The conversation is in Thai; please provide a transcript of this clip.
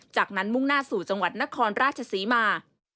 จากนั้นมุ่งหน้าสู่จังหวัดนครราชศรีมา